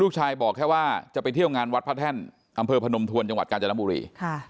บอกแค่ว่าจะไปเที่ยวงานวัดพระแท่นอำเภอพนมทวนจังหวัดกาญจนบุรี